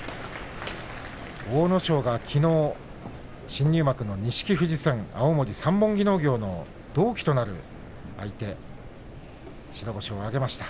阿武咲が、きのう錦富士戦青森三本木農業の同期となる相手白星を挙げました。